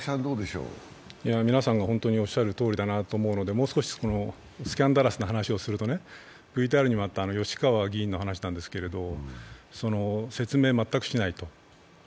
皆さんがおっしゃるとおりだなと思うのでもう少しスキャンダラスな話をすると、ＶＴＲにもあった吉川議員の話ですけれども、説明を全くしないと。